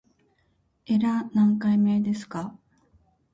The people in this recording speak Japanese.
エラー何回目ですか